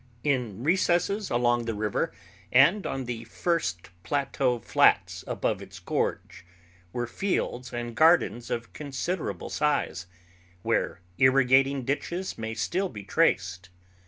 In recesses along the river and on the first plateau flats above its gorge were fields and gardens of considerable size, where irrigating ditches may still be traced.